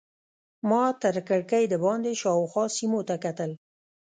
ما تر کړکۍ دباندې شاوخوا سیمو ته کتل.